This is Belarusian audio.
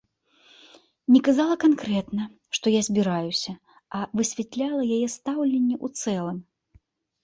Не казала канкрэтна, што я збіраюся, а высвятляла яе стаўленне ў цэлым.